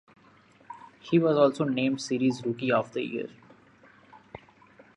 He was also named series Rookie of the Year.